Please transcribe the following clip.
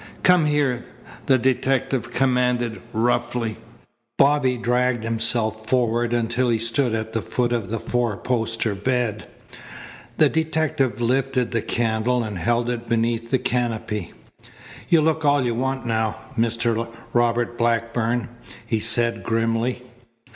"Come here," the detective commanded roughly. Bobby dragged himself forward until he stood at the foot of the four poster bed. The detective lifted the candle and held it beneath the canopy. "You look all you want now, Mr. Robert Blackburn," he said grimly.